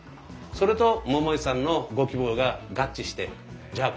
それと桃井さんのご希望が合致してじゃあ